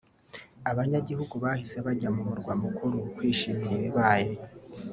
abanyagihugu bahise bajya mu murwa mukuru kwishimira ibibaye